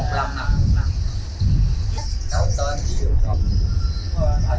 một lần nằm một lần